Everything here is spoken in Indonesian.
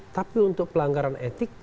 tapi untuk pelanggaran etik